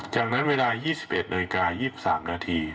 จากนั้นเวลา๒๑นาฬิกา๒๓นาที